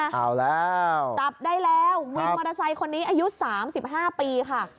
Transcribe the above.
เอาแล้วจับได้แล้ววินมอเตอร์ไซค์คนนี้อายุ๓๕ปีค่ะ